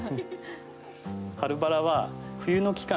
春バラは冬の期間